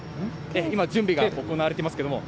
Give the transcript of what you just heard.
今、準備が行われてますけれども。